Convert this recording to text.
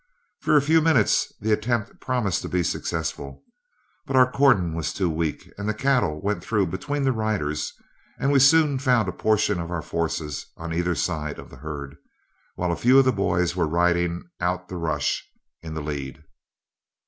For a few minutes the attempt promised to be successful, but our cordon was too weak and the cattle went through between the riders, and we soon found a portion of our forces on either side of the herd, while a few of the boys were riding out of the rush in the lead.